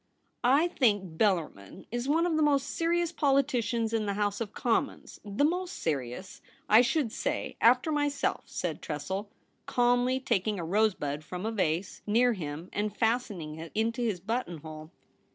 ' I think Bellarmin is one of the most serious VOL. I. 9 I30 THE REBEL ROSE. politicians in the House of Commons — the most serious, I should say, after myself,' said Tressel, calmly taking a rosebud from a vase near him and fastening it into his button hole.